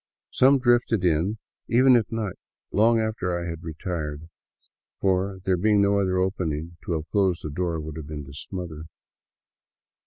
Some drifted in even at night, long after I had retired, for, there being no other opening, to have closed the door would have been to smother.